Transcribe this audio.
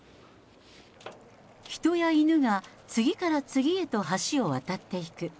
人や犬が次から次へと橋を渡っていく。